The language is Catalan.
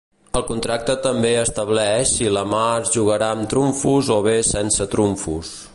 El contracte també estableix si la mà es jugarà amb trumfos o bé sense trumfos.